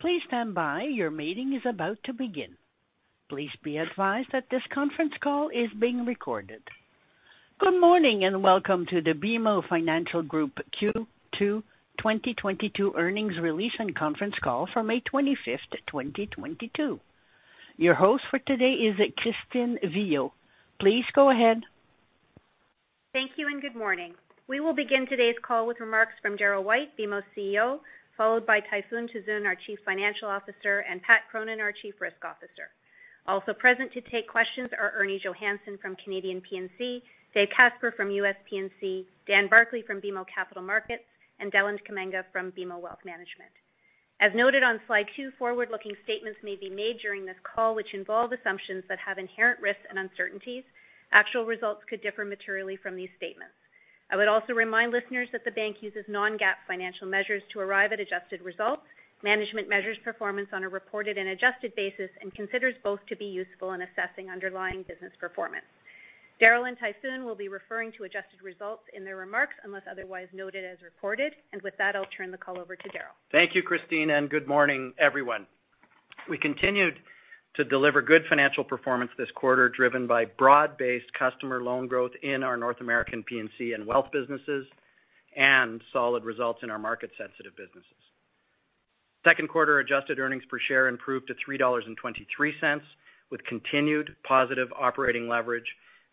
Please stand by. Your meeting is about to begin. Please be advised that this conference call is being recorded. Good morning, and welcome to the BMO Financial Group Q2 2022 Earnings Release and Conference Call for May 25, 2022. Your host for today is Christine Viau. Please go ahead. Thank you and good morning. We will begin today's call with remarks from Darryl White, BMO CEO, followed by Tayfun Tuzun, our Chief Financial Officer, and Patrick Cronin, our Chief Risk Officer. Also present to take questions are Erminia Johannson from Canadian P&C, David Casper from U.S. P&C, Dan Barclay from BMO Capital Markets, and Deland Kamanga from BMO Wealth Management. As noted on slide two, forward-looking statements may be made during this call which involve assumptions that have inherent risks and uncertainties. Actual results could differ materially from these statements. I would also remind listeners that the bank uses non-GAAP financial measures to arrive at adjusted results. Management measures performance on a reported and adjusted basis and considers both to be useful in assessing underlying business performance. Darryl and Tayfun will be referring to adjusted results in their remarks, unless otherwise noted as reported. With that, I'll turn the call over to Darryl. Thank you, Christine, and good morning, everyone. We continued to deliver good financial performance this quarter, driven by broad-based customer loan growth in our North American P&C and wealth businesses and solid results in our market-sensitive businesses. Second quarter adjusted earnings per share improved to 3.23 dollars, with continued positive operating leverage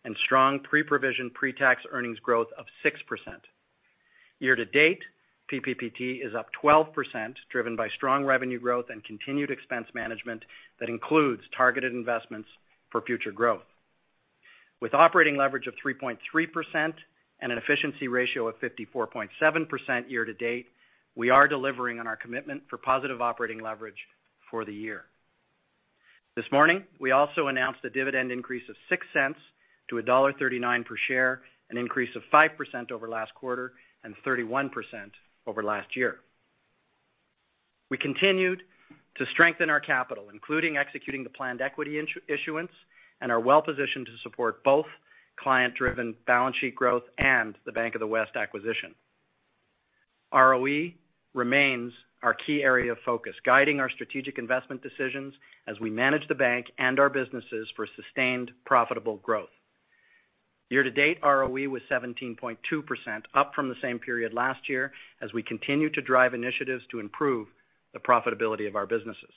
and strong pre-provision, pre-tax earnings growth of 6%. Year to date, PPPT is up 12%, driven by strong revenue growth and continued expense management that includes targeted investments for future growth. With operating leverage of 3.3% and an efficiency ratio of 54.7% year to date, we are delivering on our commitment for positive operating leverage for the year. This morning, we also announced a dividend increase of 0.06 to dollar 1.39 per share, an increase of 5% over last quarter and 31% over last year. We continued to strengthen our capital, including executing the planned equity issuance, and are well-positioned to support both client-driven balance sheet growth and the Bank of the West acquisition. ROE remains our key area of focus, guiding our strategic investment decisions as we manage the bank and our businesses for sustained profitable growth. Year to date, ROE was 17.2%, up from the same period last year as we continue to drive initiatives to improve the profitability of our businesses.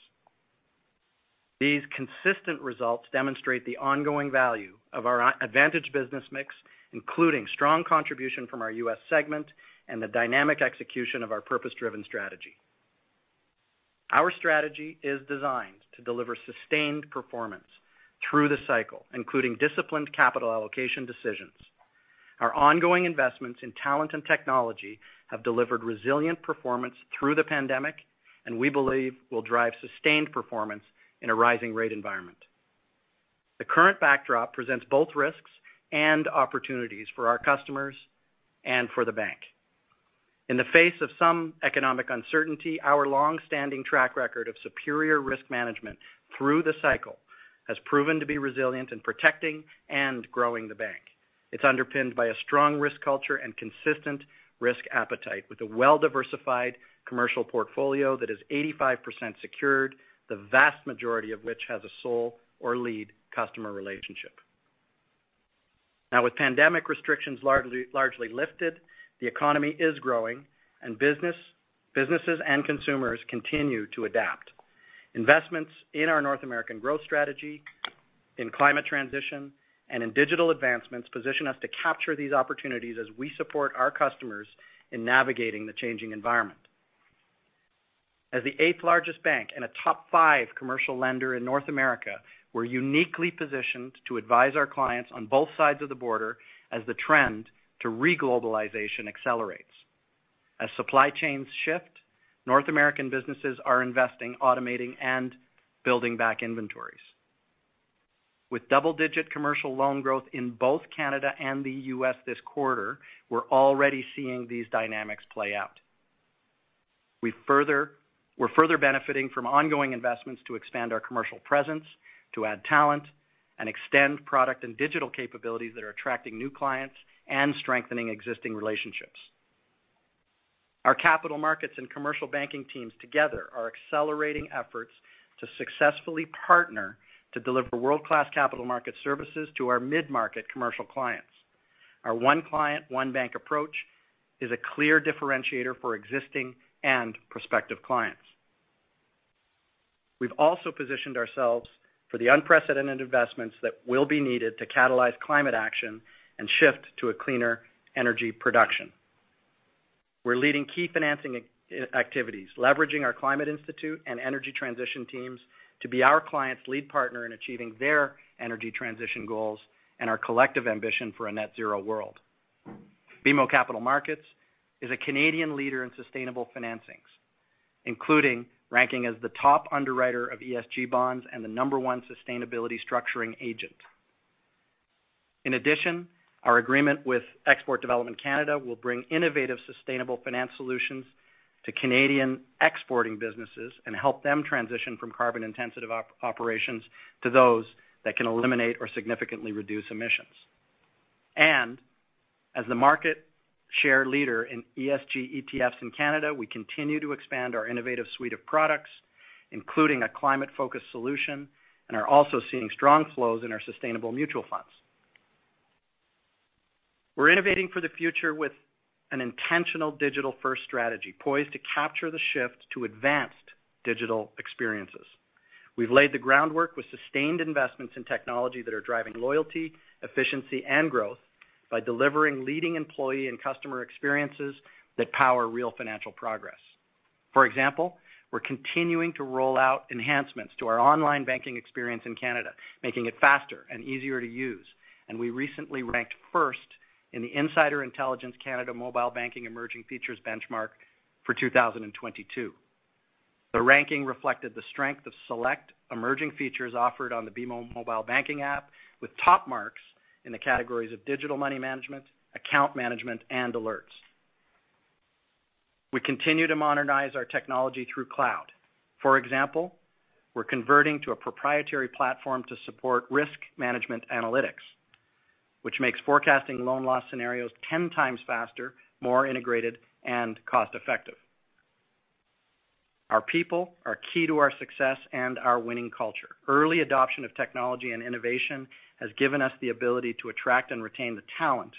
These consistent results demonstrate the ongoing value of our advantage business mix, including strong contribution from our U.S. segment and the dynamic execution of our purpose-driven strategy. Our strategy is designed to deliver sustained performance through the cycle, including disciplined capital allocation decisions. Our ongoing investments in talent and technology have delivered resilient performance through the pandemic, and we believe will drive sustained performance in a rising rate environment. The current backdrop presents both risks and opportunities for our customers and for the bank. In the face of some economic uncertainty, our long-standing track record of superior risk management through the cycle has proven to be resilient in protecting and growing the bank. It's underpinned by a strong risk culture and consistent risk appetite with a well-diversified commercial portfolio that is 85% secured, the vast majority of which has a sole or lead customer relationship. Now, with pandemic restrictions largely lifted, the economy is growing and businesses and consumers continue to adapt. Investments in our North American growth strategy, in climate transition, and in digital advancements position us to capture these opportunities as we support our customers in navigating the changing environment. As the eighth largest bank and a top five commercial lender in North America, we're uniquely positioned to advise our clients on both sides of the border as the trend to re-globalization accelerates. As supply chains shift, North American businesses are investing, automating, and building back inventories. With double-digit commercial loan growth in both Canada and the U.S. this quarter, we're already seeing these dynamics play out. We're further benefiting from ongoing investments to expand our commercial presence, to add talent, and extend product and digital capabilities that are attracting new clients and strengthening existing relationships. Our capital markets and commercial banking teams together are accelerating efforts to successfully partner to deliver world-class capital market services to our mid-market commercial clients. Our one client, one bank approach is a clear differentiator for existing and prospective clients. We've also positioned ourselves for the unprecedented investments that will be needed to catalyze climate action and shift to a cleaner energy production. We're leading key financing activities, leveraging our climate institute and energy transition teams to be our clients' lead partner in achieving their energy transition goals and our collective ambition for a net-zero world. BMO Capital Markets is a Canadian leader in sustainable financings, including ranking as the top underwriter of ESG bonds and the number one sustainability structuring agent. In addition, our agreement with Export Development Canada will bring innovative, sustainable finance solutions to Canadian exporting businesses and help them transition from carbon-intensive operations to those that can eliminate or significantly reduce emissions. As the market share leader in ESG ETFs in Canada, we continue to expand our innovative suite of products, including a climate-focused solution, and are also seeing strong flows in our sustainable mutual funds. We're innovating for the future with an intentional digital-first strategy poised to capture the shift to advanced digital experiences. We've laid the groundwork with sustained investments in technology that are driving loyalty, efficiency, and growth by delivering leading employee and customer experiences that power real financial progress. For example, we're continuing to roll out enhancements to our online banking experience in Canada, making it faster and easier to use. We recently ranked first in the Insider Intelligence Canada Mobile Banking Emerging Features Benchmark for 2022. The ranking reflected the strength of select emerging features offered on the BMO mobile banking app, with top marks in the categories of digital money management, account management, and alerts. We continue to modernize our technology through cloud. For example, we're converting to a proprietary platform to support risk management analytics, which makes forecasting loan loss scenarios ten times faster, more integrated, and cost-effective. Our people are key to our success and our winning culture. Early adoption of technology and innovation has given us the ability to attract and retain the talent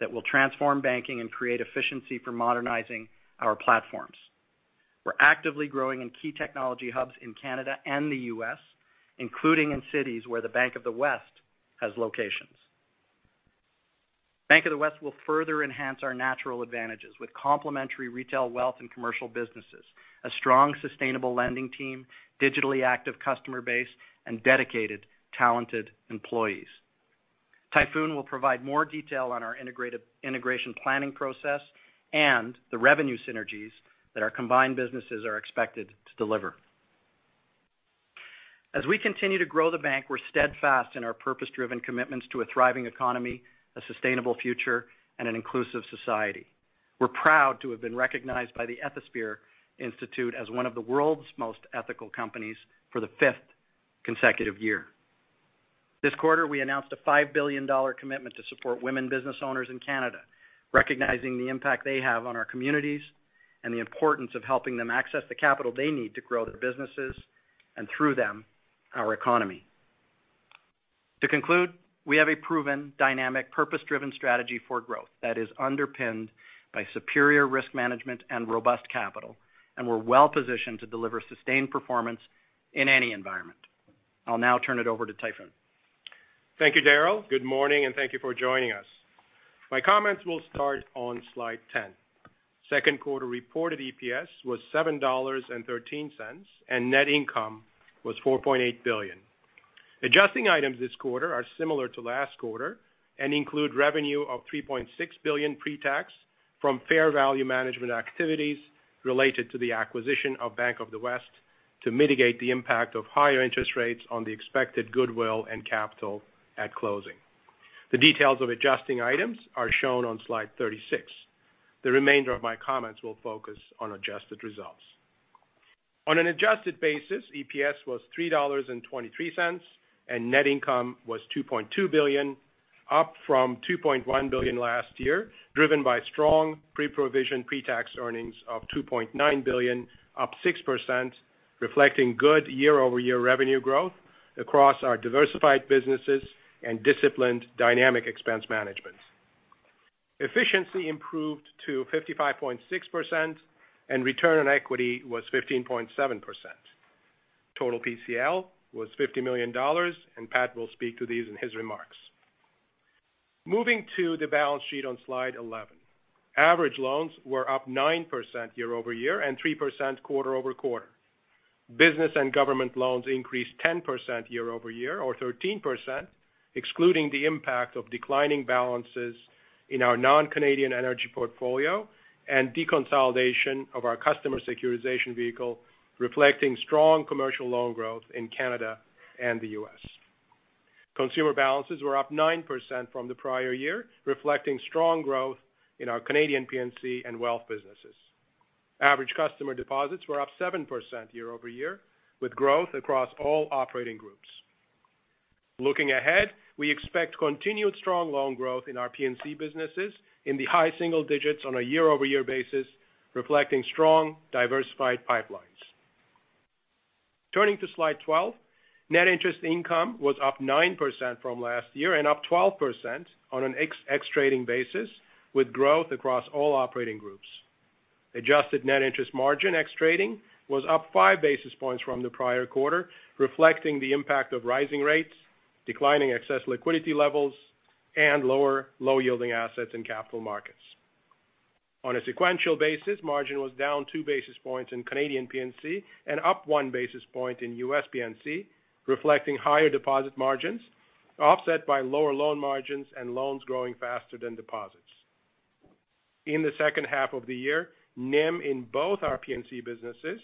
that will transform banking and create efficiency for modernizing our platforms. We're actively growing in key technology hubs in Canada and the U.S., including in cities where the Bank of the West has locations. Bank of the West will further enhance our natural advantages with complementary retail wealth and commercial businesses, a strong sustainable lending team, digitally active customer base, and dedicated, talented employees. Tayfun will provide more detail on our integration planning process and the revenue synergies that our combined businesses are expected to deliver. As we continue to grow the bank, we're steadfast in our purpose-driven commitments to a thriving economy, a sustainable future, and an inclusive society. We're proud to have been recognized by the Ethisphere Institute as one of the world's most ethical companies for the fifth consecutive year. This quarter, we announced a 5 billion dollar commitment to support women business owners in Canada, recognizing the impact they have on our communities and the importance of helping them access the capital they need to grow their businesses and through them, our economy. To conclude, we have a proven dynamic purpose-driven strategy for growth that is underpinned by superior risk management and robust capital, and we're well-positioned to deliver sustained performance in any environment. I'll now turn it over to Tayfun. Thank you, Darryl. Good morning, and thank you for joining us. My comments will start on slide 10. Second quarter reported EPS was 7.13 dollars, and net income was 4.8 billion. Adjusting items this quarter are similar to last quarter and include revenue of 3.6 billion pre-tax from fair value management activities related to the acquisition of Bank of the West to mitigate the impact of higher interest rates on the expected goodwill and capital at closing. The details of adjusting items are shown on slide 36. The remainder of my comments will focus on adjusted results. On an adjusted basis, EPS was 3.23 dollars, and net income was 2.2 billion, up from 2.1 billion last year, driven by strong Pre-Provision, Pre-Tax earnings of 2.9 billion, up 6%, reflecting good year-over-year revenue growth across our diversified businesses and disciplined dynamic expense management. Efficiency improved to 55.6%, and return on equity was 15.7%. Total PCL was 50 million dollars, and Pat will speak to these in his remarks. Moving to the balance sheet on slide 11. Average loans were up 9% year-over-year and 3% quarter-over-quarter. Business and government loans increased 10% year-over-year or 13%, excluding the impact of declining balances in our non-Canadian energy portfolio and deconsolidation of our customer securitization vehicle, reflecting strong commercial loan growth in Canada and the U.S. Consumer balances were up 9% from the prior year, reflecting strong growth in our Canadian P&C and wealth businesses. Average customer deposits were up 7% year-over-year, with growth across all operating groups. Looking ahead, we expect continued strong loan growth in our P&C businesses in the high single digits on a year-over-year basis, reflecting strong diversified pipelines. Turning to slide 12. Net interest income was up 9% from last year and up 12% on an ex-trading basis, with growth across all operating groups. Adjusted net interest margin ex trading was up five basis points from the prior quarter, reflecting the impact of rising rates, declining excess liquidity levels, and lower low-yielding assets in capital markets. On a sequential basis, margin was down two basis points in Canadian P&C and up one basis point in U.S. P&C, reflecting higher deposit margins offset by lower loan margins and loans growing faster than deposits. In the second half of the year, NIM in both our P&C businesses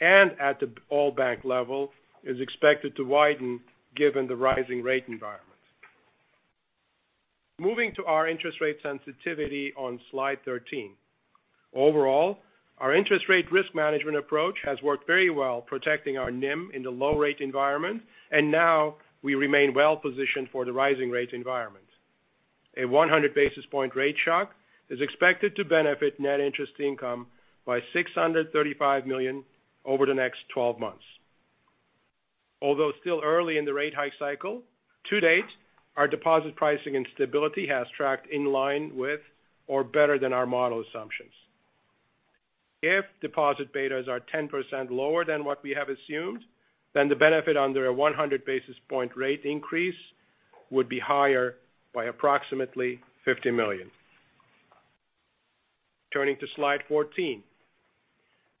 and at the all bank level is expected to widen given the rising rate environment. Moving to our interest rate sensitivity on slide 13. Overall, our interest rate risk management approach has worked very well protecting our NIM in the low rate environment, and now we remain well-positioned for the rising rate environment. A 100 basis point rate shock is expected to benefit net interest income by 635 million over the next 12 months. Although still early in the rate hike cycle, to date, our deposit pricing and stability has tracked in line with or better than our model assumptions. If deposit betas are 10% lower than what we have assumed, then the benefit under a 100 basis point rate increase would be higher by approximately 50 million. Turning to slide 14.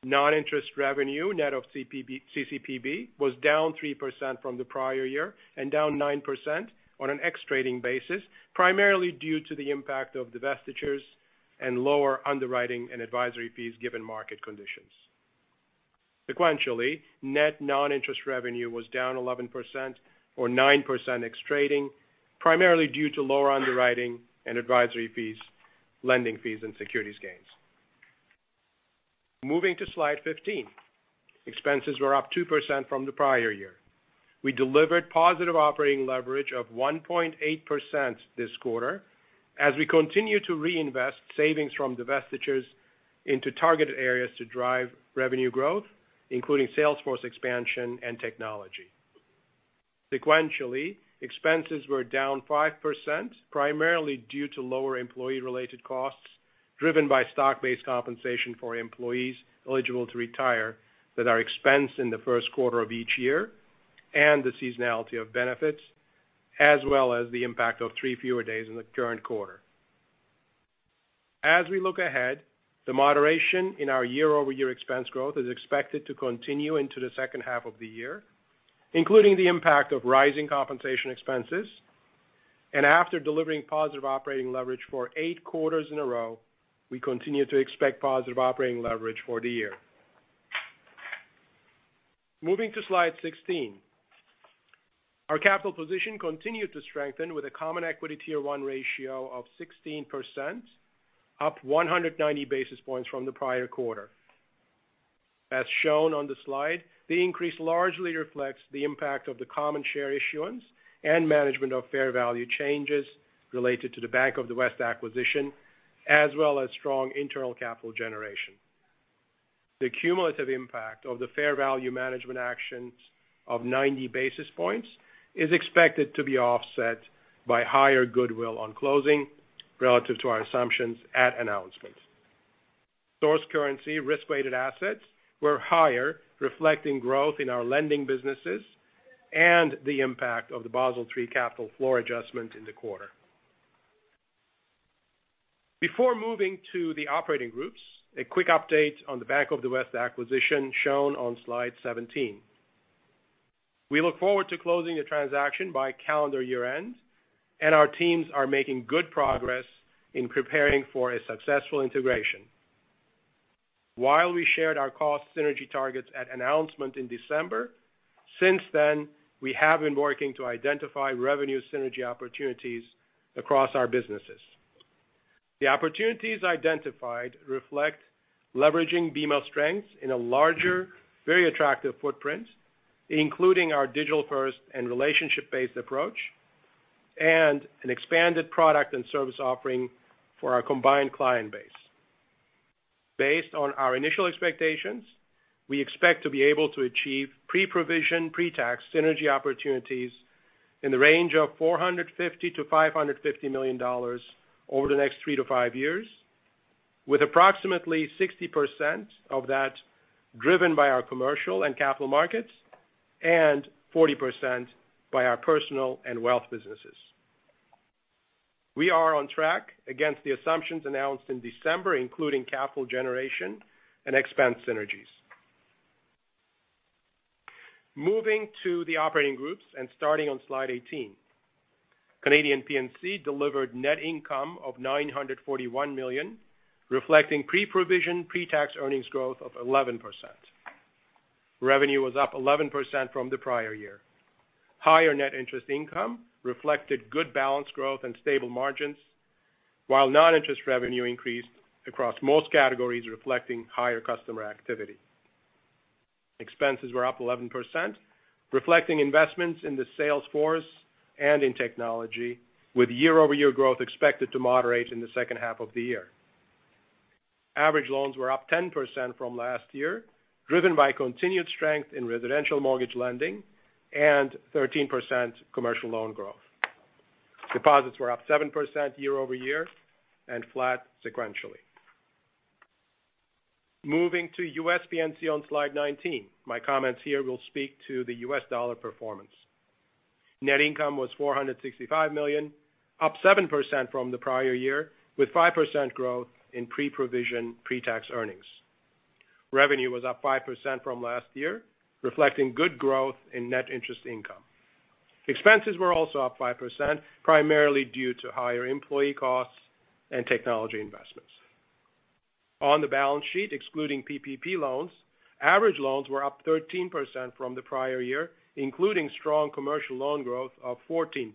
Non-interest revenue, net of CCPB was down 3% from the prior year and down 9% on an ex-trading basis, primarily due to the impact of divestitures and lower underwriting and advisory fees given market conditions. Sequentially, net non-interest revenue was down 11% or 9% ex-trading, primarily due to lower underwriting and advisory fees, lending fees and securities gains. Moving to slide 15. Expenses were up 2% from the prior year. We delivered positive operating leverage of 1.8% this quarter as we continue to reinvest savings from divestitures into targeted areas to drive revenue growth, including sales force expansion and technology. Sequentially, expenses were down 5% primarily due to lower employee related costs, driven by stock-based compensation for employees eligible to retire that are expensed in the first quarter of each year and the seasonality of benefits, as well as the impact of three fewer days in the current quarter. As we look ahead, the moderation in our year-over-year expense growth is expected to continue into the second half of the year, including the impact of rising compensation expenses. After delivering positive operating leverage for eight quarters in a row, we continue to expect positive operating leverage for the year. Moving to slide 16. Our capital position continued to strengthen with a Common Equity Tier one ratio of 16%, up 190 basis points from the prior quarter. As shown on the slide, the increase largely reflects the impact of the common share issuance and management of fair value changes related to the Bank of the West acquisition, as well as strong internal capital generation. The cumulative impact of the fair value management actions of 90 basis points is expected to be offset by higher goodwill on closing relative to our assumptions at announcement. Source currency risk-weighted assets were higher, reflecting growth in our lending businesses and the impact of the Basel III capital floor adjustment in the quarter. Before moving to the operating groups, a quick update on the Bank of the West acquisition shown on slide 17. We look forward to closing the transaction by calendar year-end, and our teams are making good progress in preparing for a successful integration. While we shared our cost synergy targets at announcement in December, since then, we have been working to identify revenue synergy opportunities across our businesses. The opportunities identified reflect leveraging BMO's strengths in a larger, very attractive footprint, including our digital first and relationship-based approach, and an expanded product and service offering for our combined client base. Based on our initial expectations, we expect to be able to achieve Pre-Provision, Pre-Tax synergy opportunities in the range of $450 to $550 million over the next three to five years, with approximately 60% of that driven by our commercial and capital markets and 40% by our personal and wealth businesses. We are on track against the assumptions announced in December, including capital generation and expense synergies. Moving to the operating groups and starting on slide 18. Canadian P&C delivered net income of 941 million, reflecting Pre-Provision, Pre-Tax earnings growth of 11%. Revenue was up 11% from the prior year. Higher net interest income reflected good balance growth and stable margins, while non-interest revenue increased across most categories reflecting higher customer activity. Expenses were up 11%, reflecting investments in the sales force and in technology, with year-over-year growth expected to moderate in the second half of the year. Average loans were up 10% from last year, driven by continued strength in residential mortgage lending and 13% commercial loan growth. Deposits were up 7% year-over-year and flat sequentially. Moving to U.S. P&C on slide 19. My comments here will speak to the U.S. dollar performance. Net income was 465 million, up 7% from the prior year, with 5% growth in pre-provision, pre-tax earnings. Revenue was up 5% from last year, reflecting good growth in net interest income. Expenses were also up 5%, primarily due to higher employee costs and technology investments. On the balance sheet, excluding PPP loans, average loans were up 13% from the prior year, including strong commercial loan growth of 14%.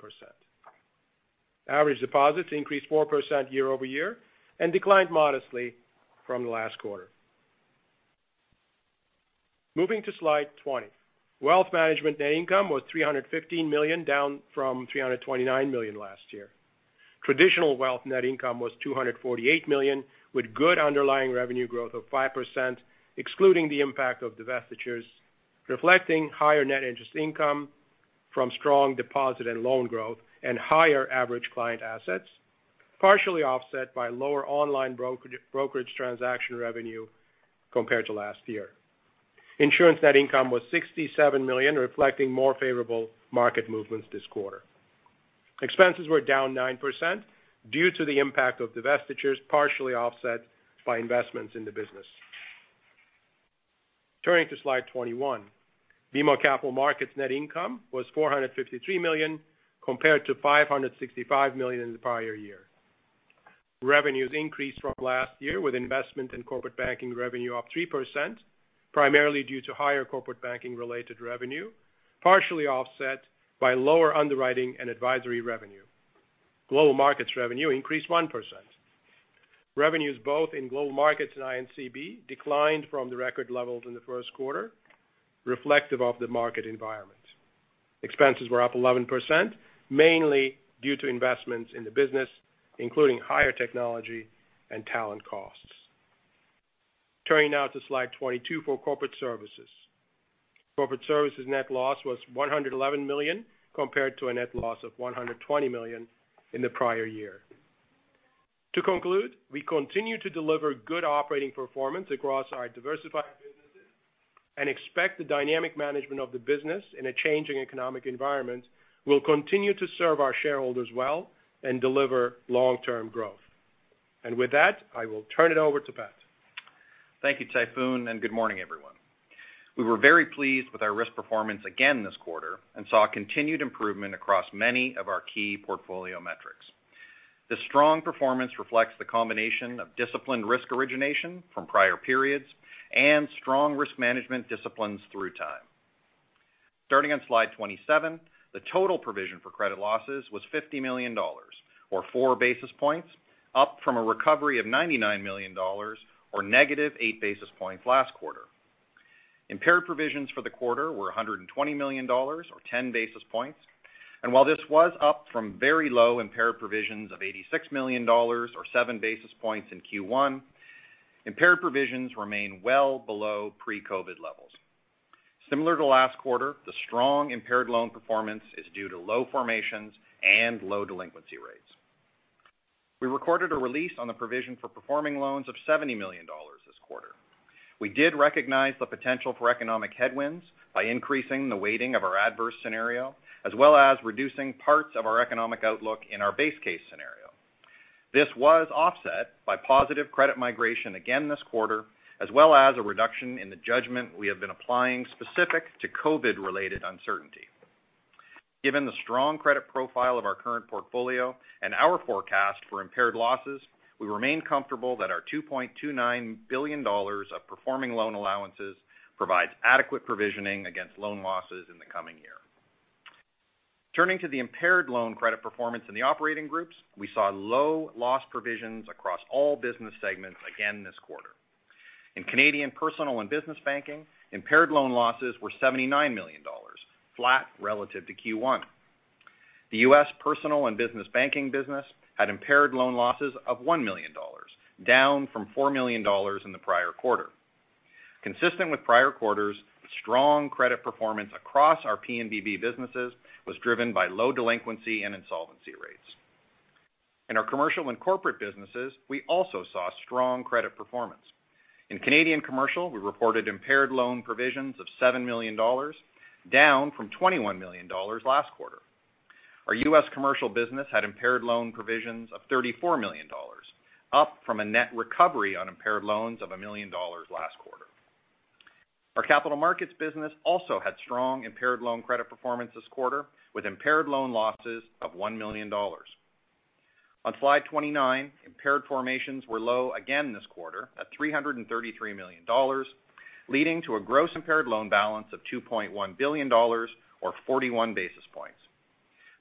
Average deposits increased 4% year-over-year and declined modestly from the last quarter. Moving to slide 20. Wealth management net income was 315 million, down from 329 million last year. Traditional wealth net income was 248 million, with good underlying revenue growth of 5%, excluding the impact of divestitures, reflecting higher net interest income from strong deposit and loan growth and higher average client assets, partially offset by lower online brokerage transaction revenue compared to last year. Insurance net income was CAD 67 million, reflecting more favorable market movements this quarter. Expenses were down 9% due to the impact of divestitures, partially offset by investments in the business. Turning to slide 21. BMO Capital Markets net income was 453 million compared to 565 million in the prior year. Revenues increased from last year, with investment & corporate banking revenue up 3%, primarily due to higher corporate banking-related revenue, partially offset by lower underwriting and advisory revenue. Global markets revenue increased 1%. Revenues both in global markets and I&CB declined from the record levels in the first quarter, reflective of the market environment. Expenses were up 11%, mainly due to investments in the business, including higher technology and talent costs. Turning now to slide 22 for corporate services. Corporate services net loss was 111 million compared to a net loss of 120 million in the prior year. To conclude, we continue to deliver good operating performance across our diversified businesses and expect the dynamic management of the business in a changing economic environment will continue to serve our shareholders well and deliver long-term growth. With that, I will turn it over to Pat. Thank you, Tayfun, and good morning, everyone. We were very pleased with our risk performance again this quarter and saw continued improvement across many of our key portfolio metrics. The strong performance reflects the combination of disciplined risk origination from prior periods and strong risk management disciplines through time. Starting on slide 27, the total provision for credit losses was 50 million dollars or 4 basis points, up from a recovery of 99 million dollars or -8 basis points last quarter. Impaired provisions for the quarter were CAD 120 million or 10 basis points, and while this was up from very low impaired provisions of 86 million dollars or 7 basis points in Q1, impaired provisions remain well below pre-COVID levels. Similar to last quarter, the strong impaired loan performance is due to low formations and low delinquency rates. We recorded a release on the provision for performing loans of 70 million dollars this quarter. We did recognize the potential for economic headwinds by increasing the weighting of our adverse scenario, as well as reducing parts of our economic outlook in our base case scenario. This was offset by positive credit migration again this quarter, as well as a reduction in the judgment we have been applying specific to COVID-related uncertainty. Given the strong credit profile of our current portfolio and our forecast for impaired losses, we remain comfortable that our 2.29 billion dollars of performing loan allowances provides adequate provisioning against loan losses in the coming year. Turning to the impaired loan credit performance in the operating groups, we saw low loss provisions across all business segments again this quarter. In Canadian personal and business banking, impaired loan losses were 79 million dollars, flat relative to Q1. The U.S. personal and business banking business had impaired loan losses of 1 million dollars, down from 4 million dollars in the prior quarter. Consistent with prior quarters, strong credit performance across our P&BB businesses was driven by low delinquency and insolvency rates. In our commercial and corporate businesses, we also saw strong credit performance. In Canadian commercial, we reported impaired loan provisions of 7 million dollars, down from 21 million dollars last quarter. Our U.S. commercial business had impaired loan provisions of 34 million dollars, up from a net recovery on impaired loans of 1 million dollars last quarter. Our capital markets business also had strong impaired loan credit performance this quarter, with impaired loan losses of 1 million dollars. On slide 29, impaired formations were low again this quarter at 333 million dollars, leading to a gross impaired loan balance of 2.1 billion dollars or 41 basis points.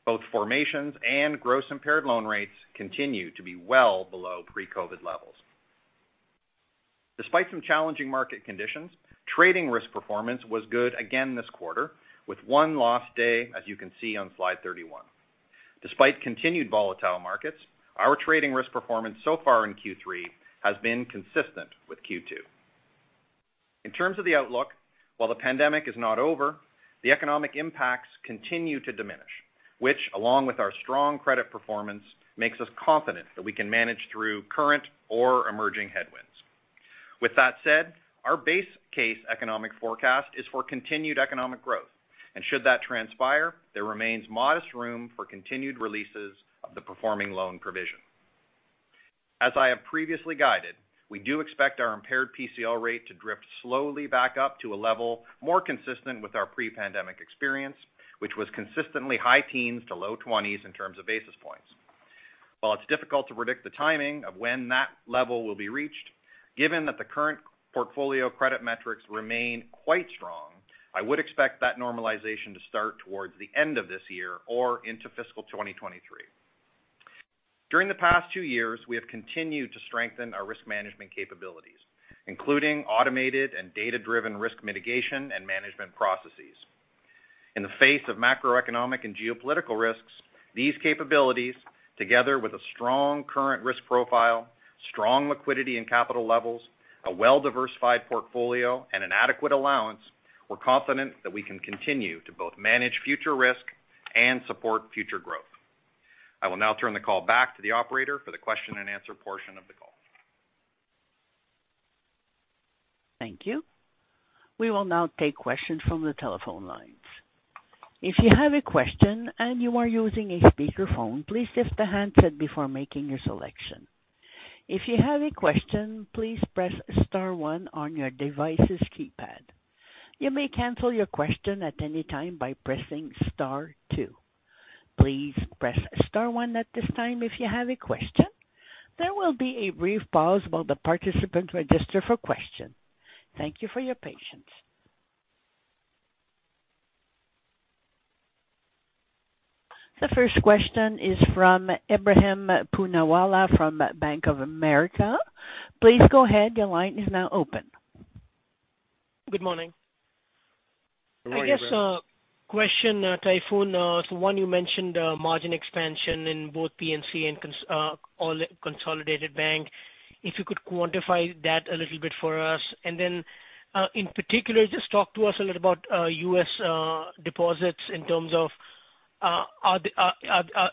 Both formations and gross impaired loan rates continue to be well below pre-COVID levels. Despite some challenging market conditions, trading risk performance was good again this quarter with 1 loss day, as you can see on slide 31. Despite continued volatile markets, our trading risk performance so far in Q3 has been consistent with Q2. In terms of the outlook, while the pandemic is not over, the economic impacts continue to diminish, which along with our strong credit performance, makes us confident that we can manage through current or emerging headwinds. With that said, our base case economic forecast is for continued economic growth, and should that transpire, there remains modest room for continued releases of the performing loan provision. As I have previously guided, we do expect our impaired PCL rate to drift slowly back up to a level more consistent with our pre-pandemic experience, which was consistently high teens to low twenties in terms of basis points. While it's difficult to predict the timing of when that level will be reached, given that the current portfolio credit metrics remain quite strong, I would expect that normalization to start towards the end of this year or into fiscal 2023. During the past two years, we have continued to strengthen our risk management capabilities, including automated and data-driven risk mitigation and management processes. In the face of macroeconomic and geopolitical risks, these capabilities, together with a strong current risk profile, strong liquidity and capital levels, a well-diversified portfolio and an adequate allowance. We're confident that we can continue to both manage future risk and support future growth. I will now turn the call back to the operator for the question and answer portion of the call. Thank you. We will now take questions from the telephone lines. If you have a question and you are using a speakerphone, please lift the handset before making your selection. If you have a question, please press star one on your device's keypad. You may cancel your question at any time by pressing star two. Please press star one at this time if you have a question. There will be a brief pause while the participants register for question. Thank you for your patience. The first question is from Ebrahim Poonawala from Bank of America. Please go ahead. Your line is now open. Good morning. Good morning, Ebrahim. I guess, question, Tayfun. So, one, you mentioned margin expansion in both P&C and consolidated bank. If you could quantify that a little bit for us. And then, in particular, just talk to us a little about U.S. deposits in terms of,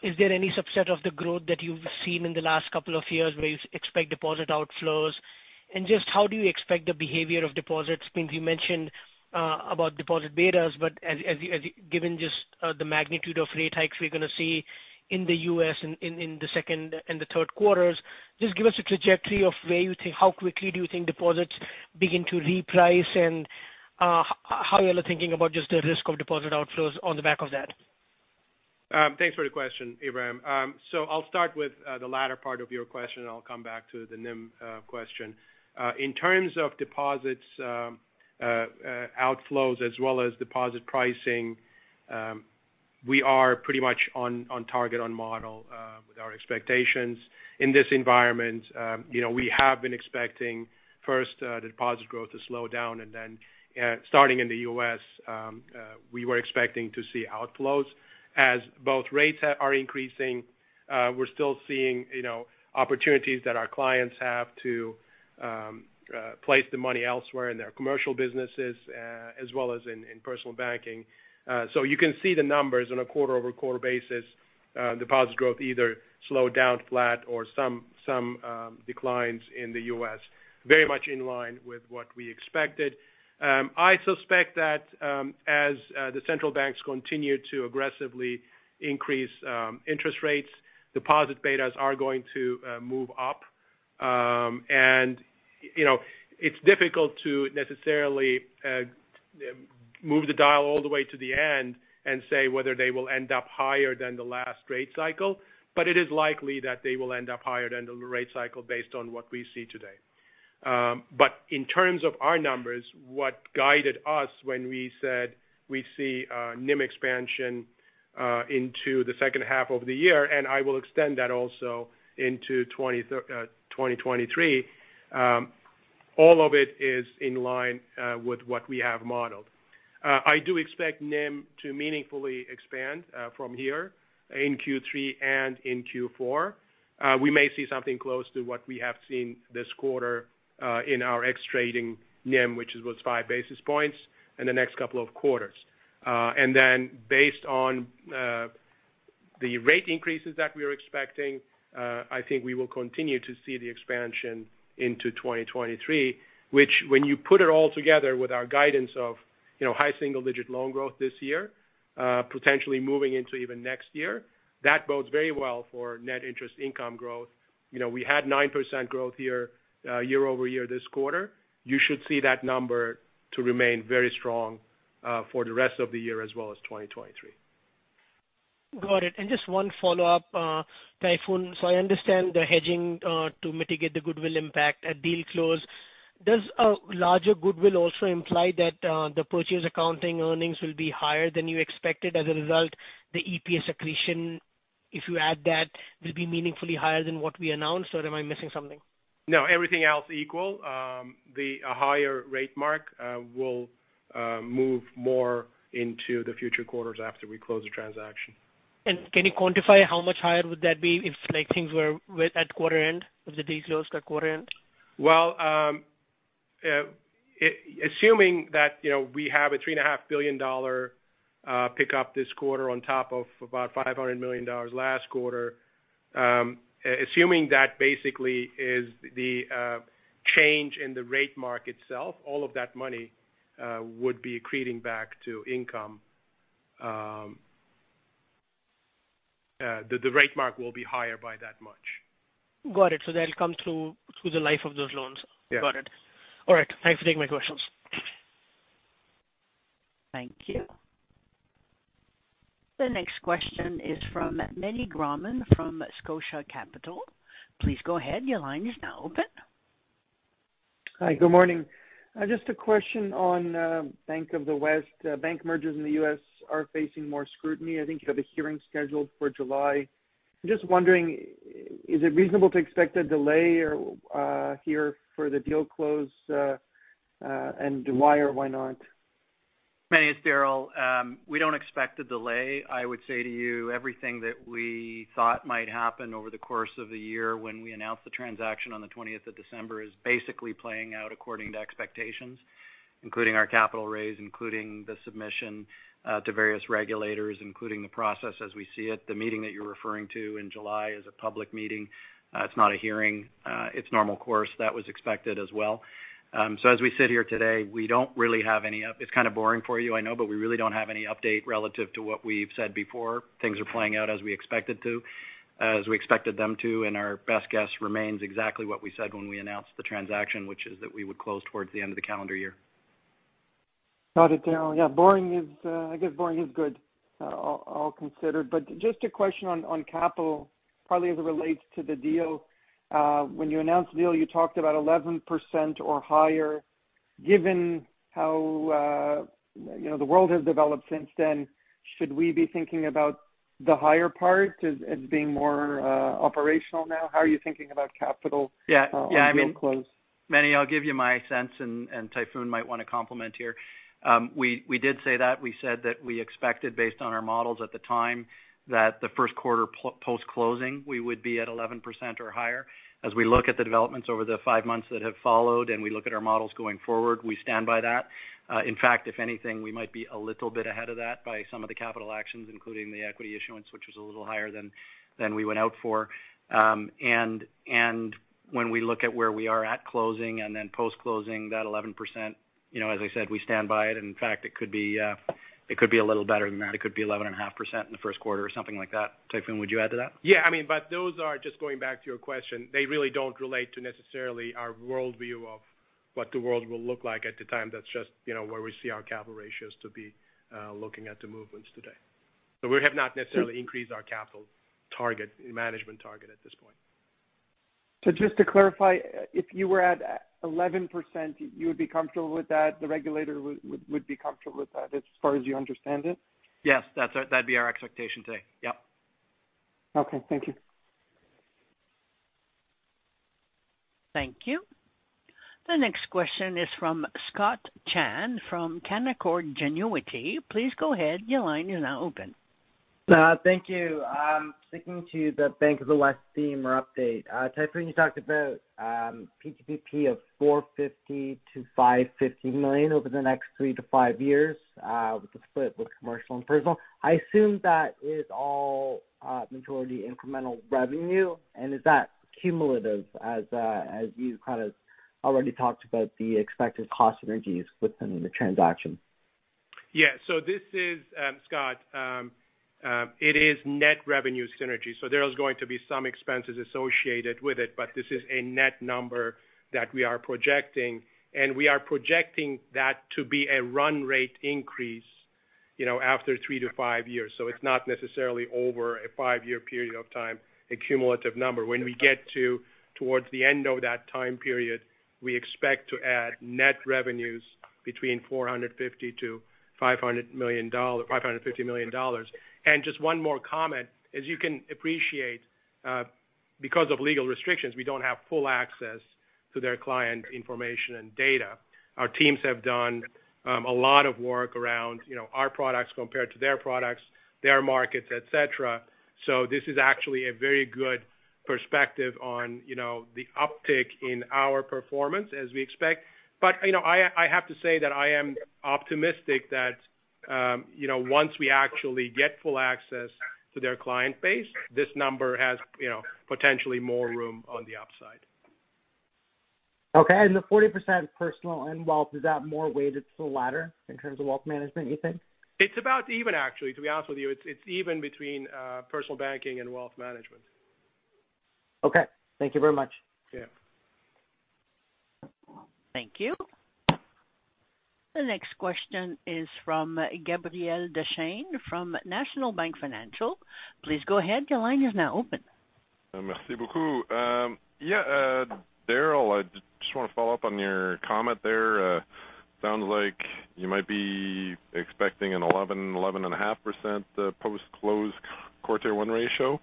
is there any subset of the growth that you've seen in the last couple of years where you expect deposit outflows? And just how do you expect the behavior of deposits? I mean, you mentioned about deposit betas, but given just the magnitude of rate hikes we're gonna see in the U.S. in the second and the third quarters, just give us a trajectory of how quickly you think deposits begin to reprice and how you all are thinking about just the risk of deposit outflows on the back of that. Thanks for the question, Ebrahim. I'll start with the latter part of your question, and I'll come back to the NIM question. In terms of deposits, outflows as well as deposit pricing, we are pretty much on target, on model with our expectations in this environment. You know, we have been expecting first the deposit growth to slow down and then starting in the U.S., we were expecting to see outflows. As both rates are increasing, we're still seeing you know, opportunities that our clients have to place the money elsewhere in their commercial businesses, as well as in personal banking. You can see the numbers on a quarter-over-quarter basis. Deposit growth either slowed down flat or some declines in the U.S., very much in line with what we expected. I suspect that as the central banks continue to aggressively increase interest rates, deposit betas are going to move up. You know, it's difficult to necessarily move the dial all the way to the end and say whether they will end up higher than the last rate cycle, but it is likely that they will end up higher than the rate cycle based on what we see today. In terms of our numbers, what guided us when we said we see a NIM expansion into the second half of the year, and I will extend that also into 2023, all of it is in line with what we have modeled. I do expect NIM to meaningfully expand from here in Q3 and in Q4. We may see something close to what we have seen this quarter in our ex-trading NIM, which was five basis points in the next couple of quarters. Based on the rate increases that we are expecting, I think we will continue to see the expansion into 2023, which when you put it all together with our guidance of, you know, high single digit loan growth this year, potentially moving into even next year, that bodes very well for net interest income growth. You know, we had 9% growth here year-over-year this quarter. You should see that number to remain very strong for the rest of the year as well as 2023. Got it. Just one follow-up, Tayfun. I understand the hedging to mitigate the goodwill impact at deal close. Does a larger goodwill also imply that the purchase accounting earnings will be higher than you expected as a result the EPS accretion, if you add that, will be meaningfully higher than what we announced, or am I missing something? No. Everything else equal, the higher rate mark will move more into the future quarters after we close the transaction. Can you quantify how much higher would that be if like things were at quarter end, if the deal closed at quarter end? Assuming that, you know, we have a 3.5 billion dollar pick up this quarter on top of about 500 million dollars last quarter, assuming that basically is the change in the rate mark itself, all of that money would be accreting back to income. The rate mark will be higher by that much. Got it. That'll come through the life of those loans. Yeah. Got it. All right. Thanks for taking my questions. Thank you. The next question is from Meny Grauman from Scotia Capital. Please go ahead. Your line is now open. Hi, good morning. Just a question on Bank of the West. Bank mergers in the U.S. are facing more scrutiny. I think you have a hearing scheduled for July. Just wondering, is it reasonable to expect a delay or a timeline for the deal close, and why or why not? Meny, it's Darryl. We don't expect a delay. I would say to you everything that we thought might happen over the course of the year when we announced the transaction on the 20th of December is basically playing out according to expectations, including our capital raise, including the submission to various regulators, including the process as we see it. The meeting that you're referring to in July is a public meeting. It's not a hearing, it's normal course that was expected as well. As we sit here today, we don't really have any. It's kind of boring for you, I know, but we really don't have any update relative to what we've said before. Things are playing out as we expect it to, as we expected them to, and our best guess remains exactly what we said when we announced the transaction, which is that we would close towards the end of the calendar year. Got it, Darryl. Yeah, boring is, I guess boring is good, all considered. Just a question on capital, probably as it relates to the deal. When you announced the deal, you talked about 11% or higher. Given how, you know, the world has developed since then, should we be thinking about the higher part as being more operational now? How are you thinking about capital on deal close? Yeah. I mean, Meny, I'll give you my sense, and Tayfun might want to comment here. We did say that. We said that we expected, based on our models at the time, that the first quarter post-closing, we would be at 11% or higher. As we look at the developments over the five months that have followed, and we look at our models going forward, we stand by that. In fact, if anything, we might be a little bit ahead of that by some of the capital actions, including the equity issuance, which was a little higher than we went out for. When we look at where we are at closing and then post-closing that 11%, you know, as I said, we stand by it. In fact, it could be a little better than that. It could be 11.5% in the first quarter or something like that. Tayfun, would you add to that? Yeah, I mean, those are just going back to your question. They really don't relate to necessarily our worldview of what the world will look like at the time. That's just, you know, where we see our capital ratios to be looking at the movements today. We have not necessarily increased our capital target, management target at this point. Just to clarify, if you were at 11%, you would be comfortable with that, the regulator would be comfortable with that as far as you understand it? Yes. That's, that'd be our expectation today. Yep. Okay. Thank you. Thank you. The next question is from Scott Chan from Canaccord Genuity. Please go ahead. Your line is now open. Thank you. I'm sticking to the Bank of the West theme or update. Tayfun, you talked about PPPT of 450 to 550 million over the next three to five years, with the split with commercial and personal. I assume that is all majority incremental revenue. Is that cumulative as you kind of already talked about the expected cost synergies within the transaction? Yeah. This is, Scott, it is net revenue synergy, so there's going to be some expenses associated with it. This is a net number that we are projecting, and we are projecting that to be a run rate increase, you know, after three to five years. It's not necessarily over a five year period of time, a cumulative number. When we get to towards the end of that time period, we expect to add net revenues between 450 to 550 million dollars. Just one more comment, as you can appreciate, because of legal restrictions, we don't have full access to their client information and data. Our teams have done a lot of work around, you know, our products compared to their products, their markets, et cetera. This is actually a very good perspective on, you know, the uptick in our performance as we expect. You know, I have to say that I am optimistic that, you know, once we actually get full access to their client base, this number has, you know, potentially more room on the upside. Okay. The 40% personal and wealth, is that more weighted to the latter in terms of wealth management, you think? It's about even actually, to be honest with you. It's even between personal banking and wealth management. Okay. Thank you very much. Yeah. Thank you. The next question is from Gabriel Dechaine from National Bank Financial. Please go ahead. Your line is now open. Merci beaucoup. Yeah, Darryl, I just want to follow up on your comment there. Sounds like you might be expecting an 11% to 11.5% post-close quarter one ratio.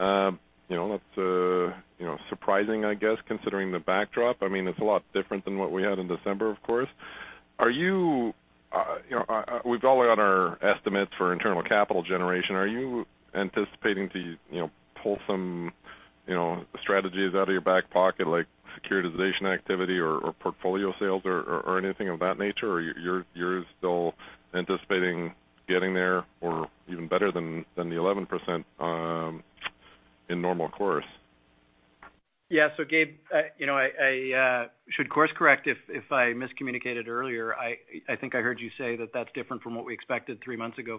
You know, that's surprising, I guess, considering the backdrop. I mean, it's a lot different than what we had in December, of course. Are you know, we've all got our estimates for internal capital generation. Are you anticipating to, you know, pull some strategies out of your back pocket, like securitization activity or portfolio sales or anything of that nature? Or you're still anticipating getting there or even better than the 11% in normal course? Yeah. Gabe, you know, I should course correct if I miscommunicated earlier. I think I heard you say that that's different from what we expected three months ago.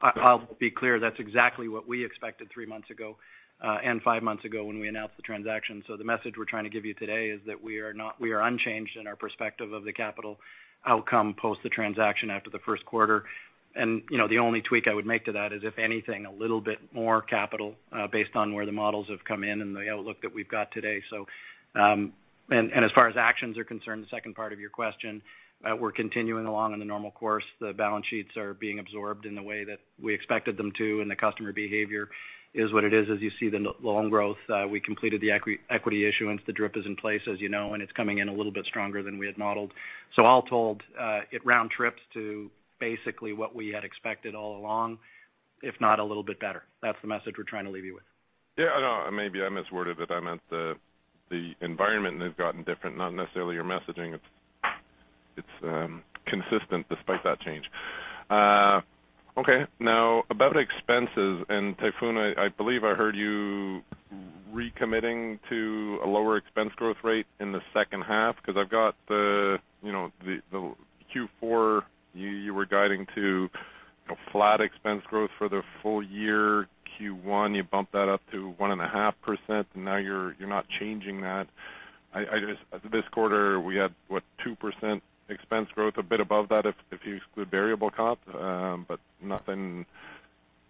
I'll be clear, that's exactly what we expected three months ago and five months ago when we announced the transaction. The message we're trying to give you today is that we are unchanged in our perspective of the capital outcome post the transaction after the first quarter. You know, the only tweak I would make to that is, if anything, a little bit more capital based on where the models have come in and the outlook that we've got today. As far as actions are concerned, the second part of your question, we're continuing along in the normal course. The balance sheets are being absorbed in the way that we expected them to, and the customer behavior is what it is. As you see the loan growth, we completed the equity issuance. The drip is in place, as you know, and it's coming in a little bit stronger than we had modeled. All told, it round trips to basically what we had expected all along, if not a little bit better. That's the message we're trying to leave you with. Yeah, I know. Maybe I misworded it. I meant the environment may have gotten different, not necessarily your messaging. It's consistent despite that change. Okay. Now about expenses and Tayfun, I believe I heard you recommitting to a lower expense growth rate in the second half because I've got the you know the Q4 you were guiding to a flat expense growth for the full year. Q1, you bumped that up to 1.5%, and now you're not changing that. I just, this quarter we had what, 2% expense growth, a bit above that if you exclude variable costs. Nothing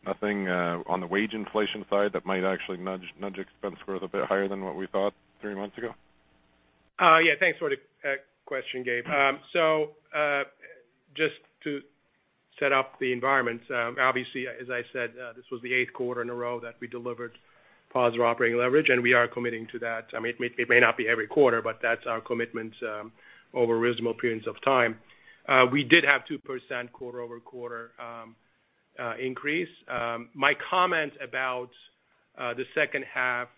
on the wage inflation side that might actually nudge expense growth a bit higher than what we thought three months ago. Yeah. Thanks for the question, Gabe. So, just to set up the environment, obviously, as I said, this was the eighth quarter in a row that we delivered positive operating leverage, and we are committing to that. I mean, it may not be every quarter, but that's our commitment over reasonable periods of time. We did have 2% quarter-over-quarter increase. My comment about the second half,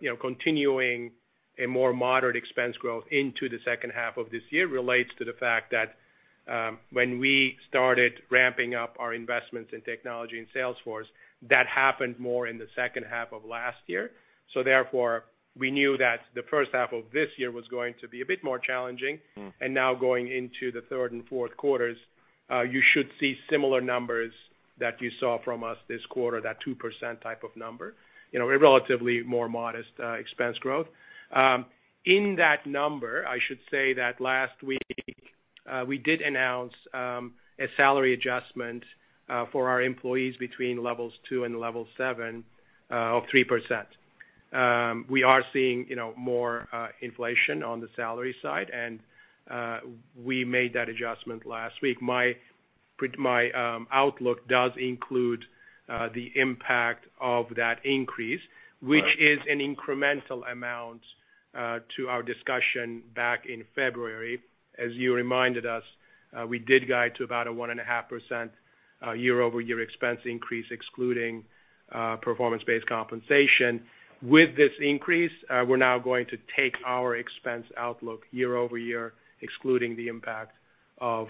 you know, continuing a more moderate expense growth into the second half of this year relates to the fact that, when we started ramping up our investments in technology and sales force, that happened more in the second half of last year. Therefore, we knew that the first half of this year was going to be a bit more challenging. Now going into the third and fourth quarters, you should see similar numbers that you saw from us this quarter, that 2% type of number. You know, a relatively more modest expense growth. In that number, I should say that last week, we did announce a salary adjustment for our employees between level two and level seven of 3%. We are seeing, you know, more inflation on the salary side and we made that adjustment last week. My outlook does include the impact of that increase. Which is an incremental amount to our discussion back in February. As you reminded us, we did guide to about a 1.5% year-over-year expense increase, excluding performance-based compensation. With this increase, we're now going to take our expense outlook year-over-year, excluding the impact of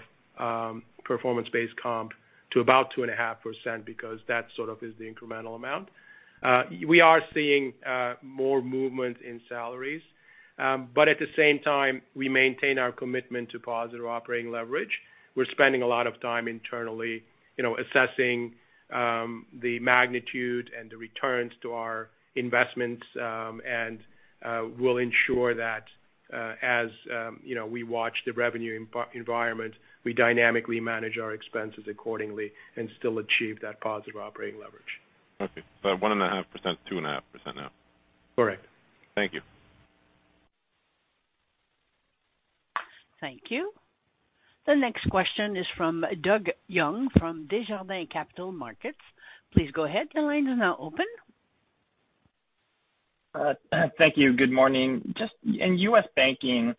performance-based comp to about 2.5% because that sort of is the incremental amount. We are seeing more movement in salaries. At the same time, we maintain our commitment to positive operating leverage. We're spending a lot of time internally, you know, assessing the magnitude and the returns to our investments, and we'll ensure that, as you know, we watch the revenue environment, we dynamically manage our expenses accordingly and still achieve that positive operating leverage. Okay. 1.5%, 2.5% now. Correct. Thank you. Thank you. The next question is from Doug Young from Desjardins Capital Markets. Please go ahead. The line is now open. Thank you. Good morning. Just in U.S. banking,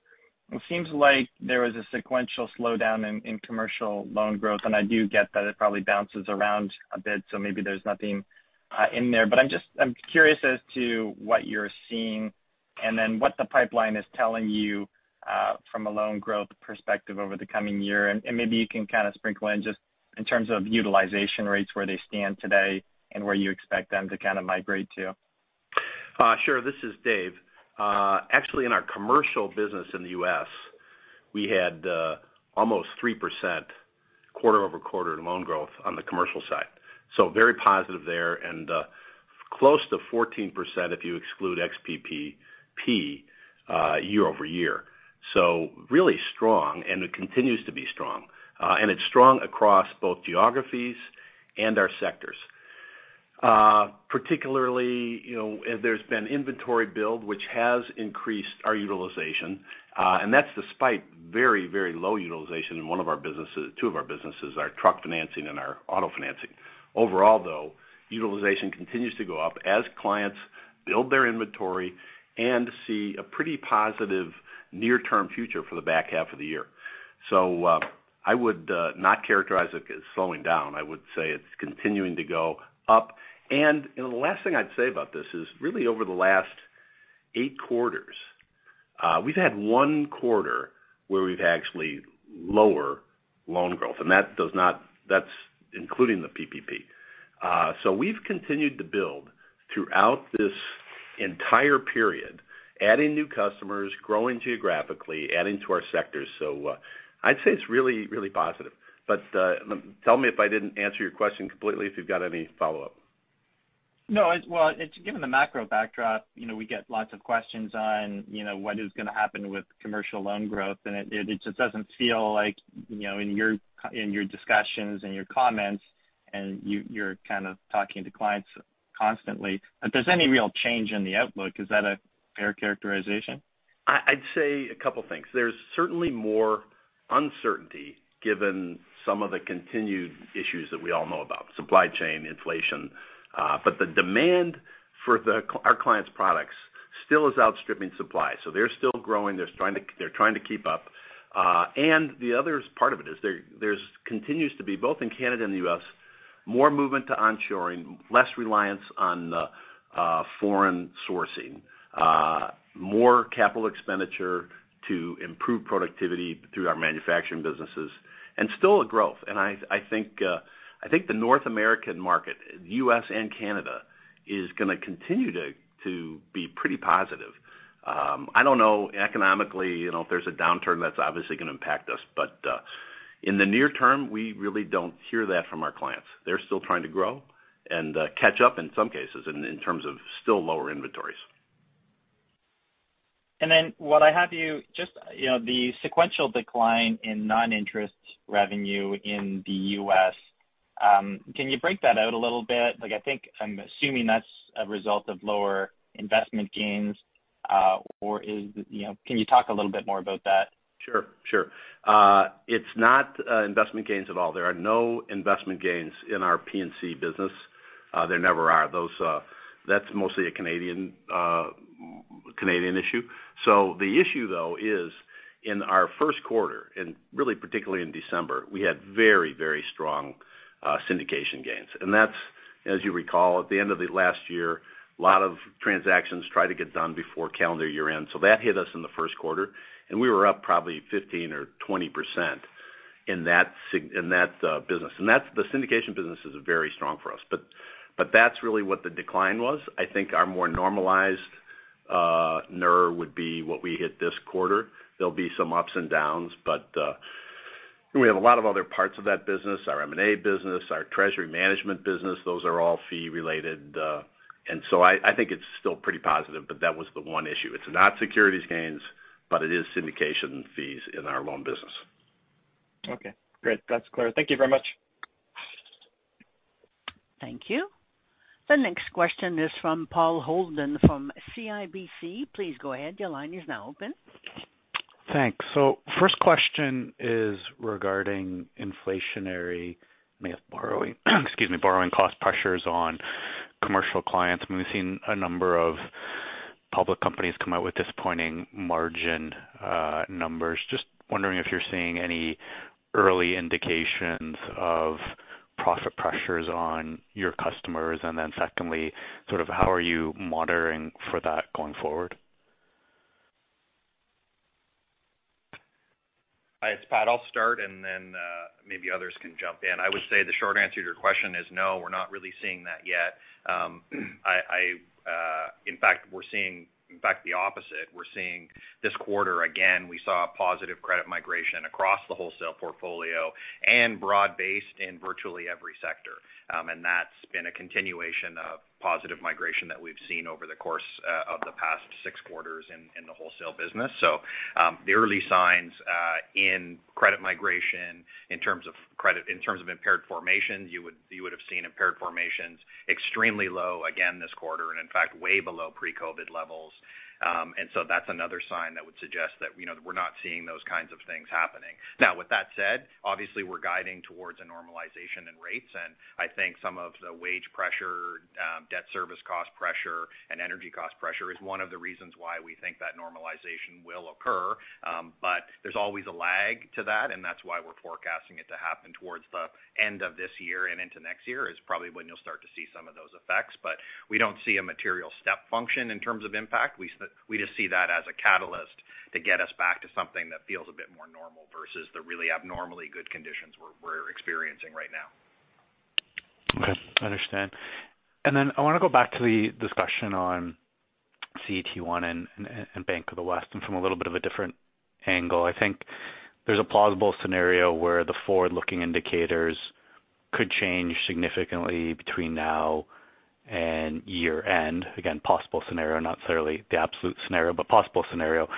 it seems like there was a sequential slowdown in commercial loan growth, and I do get that it probably bounces around a bit, so maybe there's nothing in there. But I'm curious as to what you're seeing and then what the pipeline is telling you from a loan growth perspective over the coming year. Maybe you can kind of sprinkle in just in terms of utilization rates, where they stand today and where you expect them to kind of migrate to. Sure. This is Dave. Actually, in our commercial business in the U.S., we had almost 3% quarter-over-quarter loan growth on the commercial side. Very positive there and close to 14% if you exclude ex-PPP year-over-year. Really strong and it continues to be strong. It's strong across both geographies and our sectors. Particularly, you know, there's been inventory build which has increased our utilization and that's despite very, very low utilization in one of our businesses, two of our businesses, our truck financing and our auto financing. Overall, though, utilization continues to go up as clients build their inventory and see a pretty positive near-term future for the back half of the year. I would not characterize it as slowing down. I would say it's continuing to go up. The last thing I'd say about this is really over the last eight quarters. We've had one quarter where we've actually had lower loan growth, and that's including the PPP. We've continued to build throughout this entire period, adding new customers, growing geographically, adding to our sectors. I'd say it's really, really positive. Tell me if I didn't answer your question completely, if you've got any follow-up. No, well, it's given the macro backdrop, you know, we get lots of questions on, you know, what is gonna happen with commercial loan growth, and it just doesn't feel like, you know, in your discussions and your comments, and you're kind of talking to clients constantly, if there's any real change in the outlook, is that a fair characterization? I'd say a couple things. There's certainly more uncertainty given some of the continued issues that we all know about, supply chain, inflation. But the demand for our clients' products still is outstripping supply. So they're still growing, they're trying to keep up. And the other part of it is there continues to be, both in Canada and the U.S., more movement to onshoring, less reliance on foreign sourcing. More capital expenditure to improve productivity through our manufacturing businesses, and still a growth. I think the North American market, the U.S. and Canada, is gonna continue to be pretty positive. I don't know economically, you know, if there's a downturn that's obviously gonna impact us. In the near term, we really don't hear that from our clients. They're still trying to grow and catch up in some cases in terms of still lower inventories. Just, you know, the sequential decline in non-interest revenue in the U.S., can you break that out a little bit? Like, I think I'm assuming that's a result of lower investment gains, or you know, can you talk a little bit more about that? Sure. It's not investment gains at all. There are no investment gains in our P&C business. There never are. That's mostly a Canadian issue. The issue, though, is in our first quarter, and really particularly in December, we had very, very strong syndication gains. That's, as you recall, at the end of the last year, a lot of transactions try to get done before calendar year-end. That hit us in the first quarter, and we were up probably 15% or 20% in that business. The syndication business is very strong for us. That's really what the decline was. I think our more normalized NIR would be what we hit this quarter. There'll be some ups and downs, but we have a lot of other parts of that business. Our M&A business, our treasury management business, those are all fee related. I think it's still pretty positive, but that was the one issue. It's not securities gains, but it is syndication fees in our loan business. Okay, great. That's clear. Thank you very much. Thank you. The next question is from Paul Holden from CIBC. Please go ahead. Your line is now open. Thanks. First question is regarding inflationary borrowing. Excuse me, borrowing cost pressures on commercial clients. We've seen a number of public companies come out with disappointing margin numbers. Just wondering if you're seeing any early indications of profit pressures on your customers. Secondly, sort of how are you monitoring for that going forward? Hi, it's Pat. I'll start, and then, maybe others can jump in. I would say the short answer to your question is no, we're not really seeing that yet. In fact, we're seeing the opposite. We're seeing this quarter, again, we saw a positive credit migration across the wholesale portfolio and broad-based in virtually every sector. That's been a continuation of positive migration that we've seen over the course of the past six quarters in the wholesale business. The early signs in credit migration in terms of impaired formations, you would have seen impaired formations extremely low again this quarter and, in fact, way below pre-COVID levels. That's another sign that would suggest that, you know, we're not seeing those kinds of things happening. Now, with that said, obviously we're guiding towards a normalization in rates, and I think some of the wage pressure, debt service cost pressure and energy cost pressure is one of the reasons why we think that normalization will occur. There's always a lag to that, and that's why we're forecasting it to happen towards the end of this year and into next year is probably when you'll start to see some of those effects. We don't see a material step function in terms of impact. We just see that as a catalyst to get us back to something that feels a bit more normal versus the really abnormally good conditions we're experiencing right now. Okay. Understand. Then I wanna go back to the discussion on CET1 and Bank of the West and from a little bit of a different angle. I think there's a plausible scenario where the forward-looking indicators could change significantly between now and year-end. Again, possible scenario, not necessarily the absolute scenario, but possible scenario.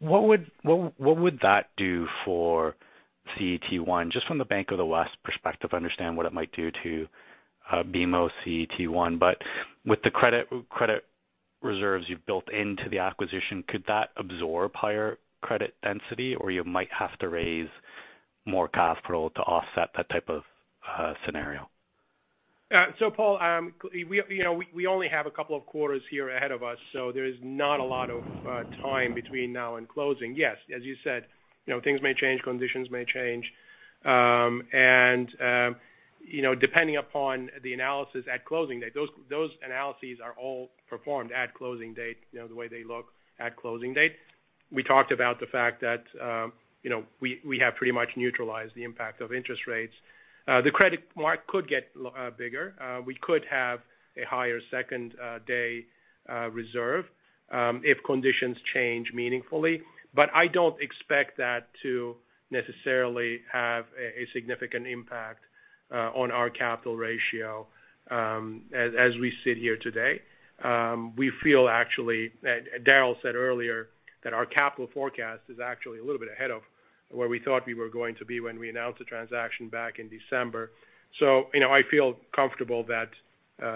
What would that do for CET1, just from the Bank of the West perspective? I understand what it might do to BMO CET1. With the credit reserves you've built into the acquisition, could that absorb higher credit density, or you might have to raise more capital to offset that type of scenario? Paul, you know, we only have a couple of quarters here ahead of us, so there's not a lot of time between now and closing. Yes, as you said, you know, things may change, conditions may change. You know, depending upon the analysis at closing date, those analyses are all performed at closing date, you know, the way they look at closing date. We talked about the fact that, you know, we have pretty much neutralized the impact of interest rates. The credit mark could get bigger. We could have a higher secondary reserve if conditions change meaningfully. I don't expect that to necessarily have a significant impact on our capital ratio, as we sit here today. We feel actually, and Darryl said earlier that our capital forecast is actually a little bit ahead of where we thought we were going to be when we announced the transaction back in December. You know, I feel comfortable that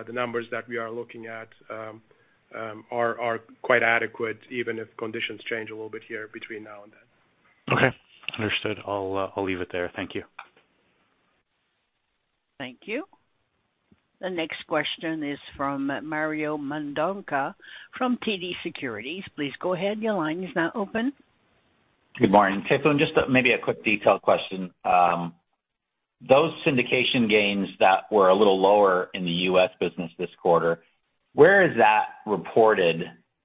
the numbers that we are looking at are quite adequate, even if conditions change a little bit here between now and then. Okay. Understood. I'll leave it there. Thank you. Thank you. The next question is from Mario Mendonca from TD Securities. Please go ahead. Your line is now open. Good morning. Tayfun, just, maybe a quick detailed question. Those syndication gains that were a little lower in the US business this quarter, where is that reported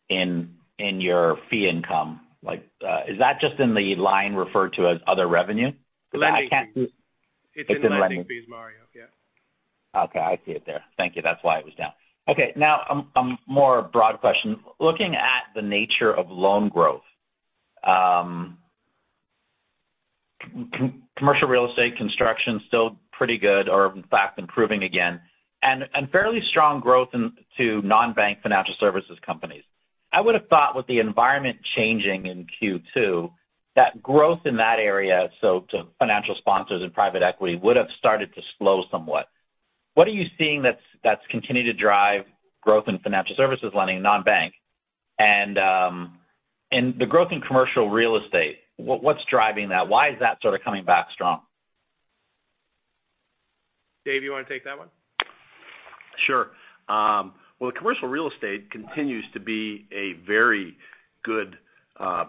in your fee income? Like, is that just in the line referred to as other revenue? I can't see. It's in lending fees, Mario. Yeah. Okay, I see it there. Thank you. That's why it was down. Okay. Now a more broad question. Looking at the nature of loan growth, commercial real estate construction's still pretty good or in fact improving again, and fairly strong growth into non-bank financial services companies. I would have thought with the environment changing in Q2, that growth in that area, so to financial sponsors and private equity, would have started to slow somewhat. What are you seeing that's continued to drive growth in financial services lending non-bank? And the growth in commercial real estate, what's driving that? Why is that sort of coming back strong? David, you want to take that one? Sure. Well, the commercial real estate continues to be a very good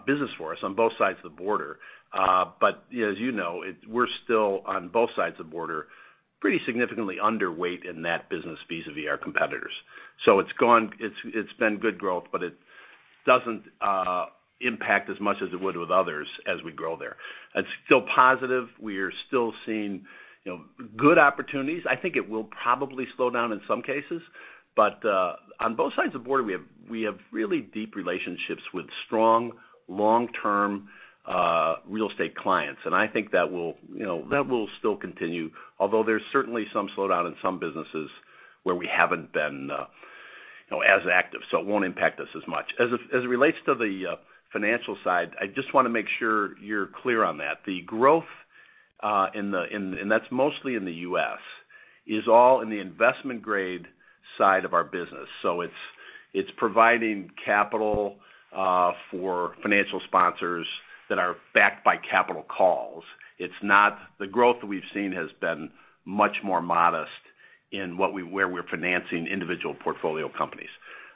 business for us on both sides of the border. But as you know, we're still on both sides of the border, pretty significantly underweight in that business vis-a-vis our competitors. It's been good growth, but it doesn't impact as much as it would with others as we grow there. It's still positive. We are still seeing, you know, good opportunities. I think it will probably slow down in some cases. On both sides of the border, we have really deep relationships with strong long-term real estate clients. I think that will, you know, that will still continue. Although there's certainly some slowdown in some businesses where we haven't been, you know, as active, so it won't impact us as much. As it relates to the financial side, I just wanna make sure you're clear on that. The growth in the U.S., and that's mostly in the U.S., is all in the investment grade side of our business. It's providing capital for financial sponsors that are backed by capital calls. The growth that we've seen has been much more modest in where we're financing individual portfolio companies.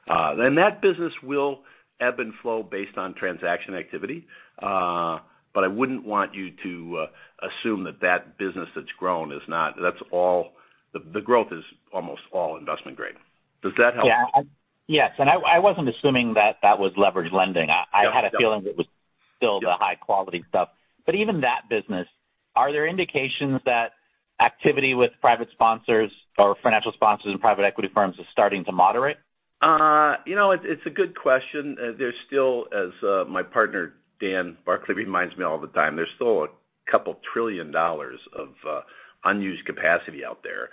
That business will ebb and flow based on transaction activity. I wouldn't want you to assume that that business that's grown is not. That's all, the growth is almost all investment grade. Does that help? Yeah. Yes. I wasn't assuming that was leverage lending. I had a feeling it was still the high-quality stuff. But even that business, are there indications that activity with private sponsors or financial sponsors and private equity firms is starting to moderate? You know, it's a good question. There's still, as my partner, Dan Barclay, reminds me all the time, there's still a couple trillion dollars of unused capacity out there.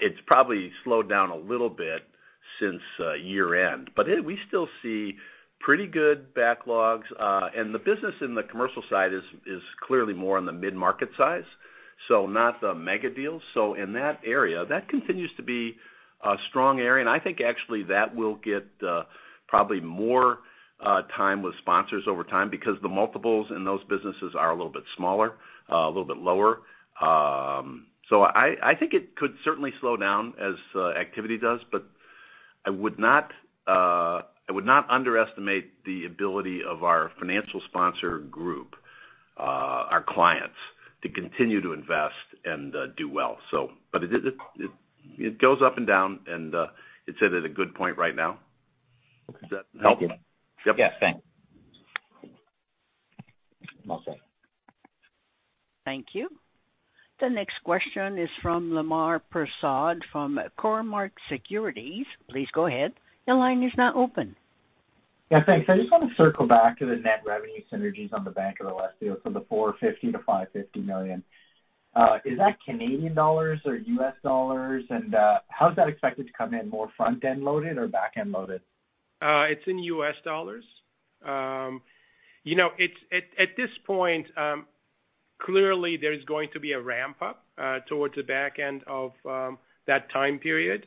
It's probably slowed down a little bit since year-end, but we still see pretty good backlogs. The business in the commercial side is clearly more on the mid-market size, so not the mega deals. In that area, that continues to be a strong area. I think actually that will get probably more time with sponsors over time because the multiples in those businesses are a little bit smaller, a little bit lower. I think it could certainly slow down as activity does, but I would not underestimate the ability of our financial sponsor group, our clients, to continue to invest and do well. It goes up and down and it's at a good point right now. Does that help? Yes. Thanks. Awesome. Thank you. The next question is from Lemar Persaud from Cormark Securities. Please go ahead. Your line is now open. Yeah, thanks. I just want to circle back to the net revenue synergies on the Bank of the West deal from 450 million to 550 million. Is that Canadian dollars or U.S. dollars? How's that expected to come in? More front-end loaded or back-end loaded? It's in U.S. dollars. You know, at this point, clearly there's going to be a ramp-up towards the back end of that time period.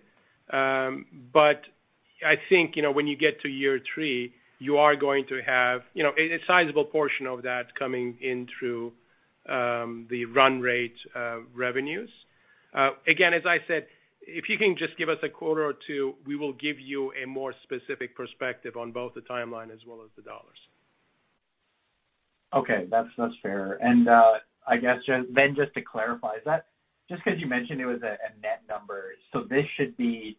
I think, you know, when you get to year three, you are going to have, you know, a sizable portion of that coming in through the run rate revenues. Again, as I said, if you can just give us a quarter or two, we will give you a more specific perspective on both the timeline as well as the dollars. Okay, that's fair. I guess just to clarify that, just 'cause you mentioned it was a net number, so this should be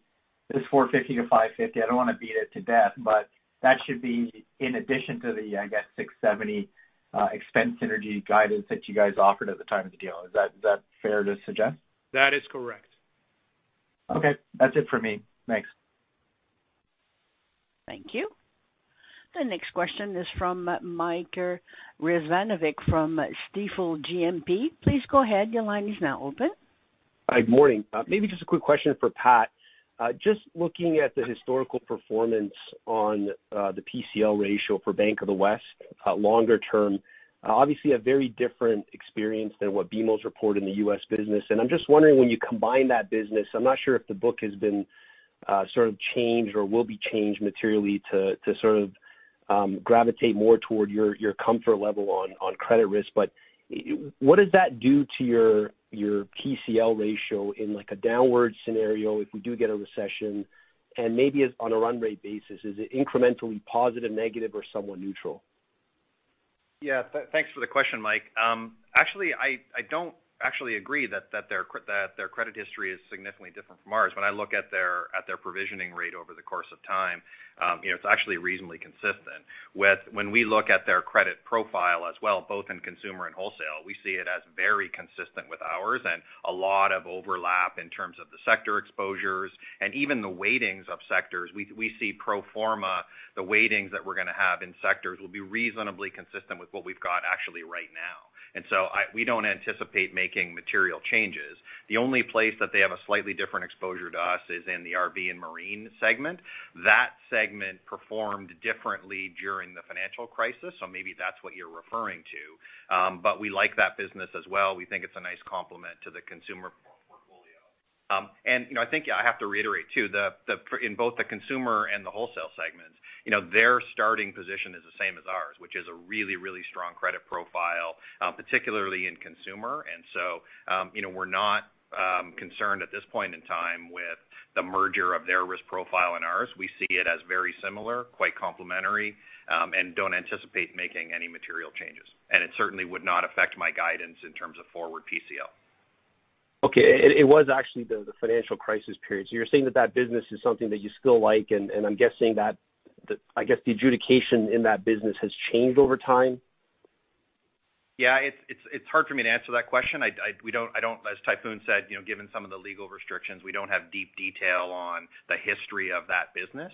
450 to 550. I don't wanna beat it to death, but that should be in addition to the, I guess, 670 expense synergy guidance that you guys offered at the time of the deal. Is that fair to suggest? That is correct. Okay. That's it for me. Thanks. Thank you. The next question is from Mike Rizvanovic from Stifel GMP. Please go ahead. Your line is now open. Hi. Good morning. Maybe just a quick question for Pat. Just looking at the historical performance on the PCL ratio for Bank of the West longer term, obviously a very different experience than what BMO's report in the U.S. business. I'm just wondering, when you combine that business, I'm not sure if the book has been sort of changed or will be changed materially to sort of gravitate more toward your comfort level on credit risk. What does that do to your PCL ratio in like a downward scenario if we do get a recession? Maybe it's on a run rate basis, is it incrementally positive, negative, or somewhat neutral? Yeah. Thanks for the question, Mike. Actually, I don't actually agree that their credit history is significantly different from ours. When I look at their provisioning rate over the course of time, you know, it's actually reasonably consistent. When we look at their credit profile as well, both in consumer and wholesale, we see it as very consistent with ours and a lot of overlap in terms of the sector exposures and even the weightings of sectors. We see pro forma, the weightings that we're gonna have in sectors will be reasonably consistent with what we've got actually right now. We don't anticipate making material changes. The only place that they have a slightly different exposure to us is in the RV and marine segment. That segment performed differently during the financial crisis, so maybe that's what you're referring to. But we like that business as well. We think it's a nice complement to the consumer portfolio. You know, I think I have to reiterate too, in both the consumer and the wholesale segments, you know, their starting position is the same as ours, which is a really, really strong credit profile, particularly in consumer. You know, we're not concerned at this point in time with the merger of their risk profile and ours. We see it as very similar, quite complementary, and don't anticipate making any material changes. It certainly would not affect my guidance in terms of forward PCL. Okay. It was actually the financial crisis period. You're saying that business is something that you still like, and I'm guessing I guess the adjudication in that business has changed over time? Yeah. It's hard for me to answer that question. As Tayfun said, you know, given some of the legal restrictions, we don't have deep detail on the history of that business.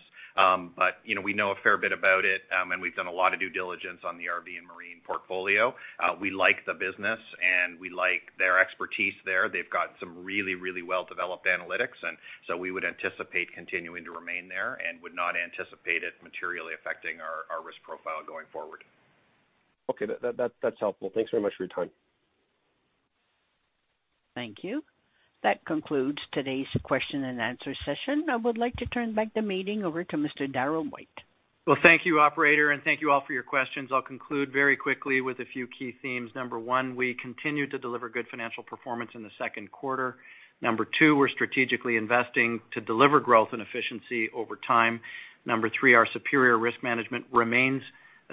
But, you know, we know a fair bit about it. And we've done a lot of due diligence on the RV and marine portfolio. We like the business, and we like their expertise there. They've got some really well-developed analytics, and so we would anticipate continuing to remain there and would not anticipate it materially affecting our risk profile going forward. Okay. That's helpful. Thanks very much for your time. Thank you. That concludes today's question-and-answer session. I would like to turn back the meeting over to Mr. Darryl White. Well, thank you, operator, and thank you all for your questions. I'll conclude very quickly with a few key themes. Number one, we continue to deliver good financial performance in the second quarter. Number two, we're strategically investing to deliver growth and efficiency over time. Number three, our superior risk management remains a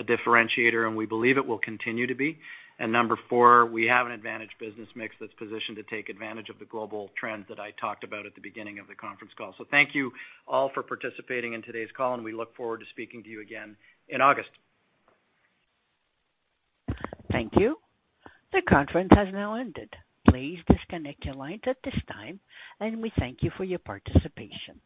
differentiator, and we believe it will continue to be. Number four, we have an advantage business mix that's positioned to take advantage of the global trends that I talked about at the beginning of the conference call. Thank you all for participating in today's call, and we look forward to speaking to you again in August. Thank you. The conference has now ended. Please disconnect your lines at this time, and we thank you for your participation.